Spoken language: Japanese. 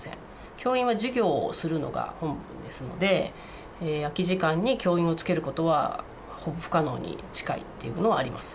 教員は授業をするのが本分ですので、空き時間に教員をつけることはほぼ不可能に近いっていうのはあります。